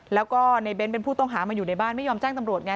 แล้วก็ในเน้นเป็นผู้ต้องหามาอยู่ในบ้านไม่ยอมแจ้งตำรวจไง